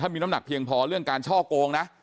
มีน้ำหนักเพียงพอเรื่องการช่อโกงนะ